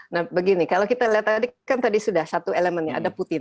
nah begini kalau kita lihat tadi kan tadi sudah satu elemennya ada putin